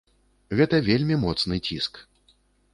Гэта вельмі моцны ціск.